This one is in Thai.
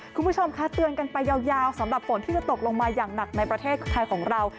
คุณผู้ชมคะเตือนกันไปยาวสำหรับฝนที่จะตกลงมาอย่างหนักในประเทศไทยของเรา